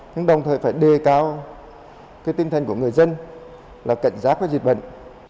nhưng đồng thời phải đề cao tinh thần của người dân là cạnh giác với dịch bệnh